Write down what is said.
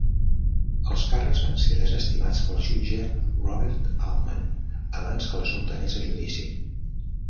Els càrrecs van ser desestimats pel jutge Robert Altman abans que l'assumpte anés a judici.